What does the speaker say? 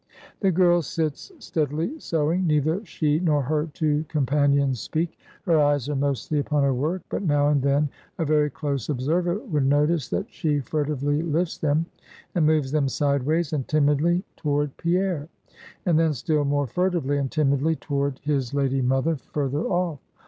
The girl sits steadily sewing; neither she nor her two companions speak. Her eyes are mostly upon her work; but now and then a very close observer would notice that she furtively lifts them, and moves them sideways and timidly toward Pierre; and then, still more furtively and timidly toward his lady mother, further off.